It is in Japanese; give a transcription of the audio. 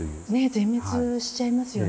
全滅しちゃいますよね。